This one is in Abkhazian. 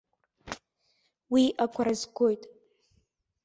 Уи агәра згоит.